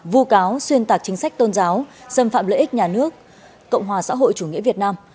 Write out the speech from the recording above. vụ cáo xuyên tạc chính sách tôn giáo xâm phạm lợi ích nhà nước cộng hòa xã hội chủ nghĩa việt nam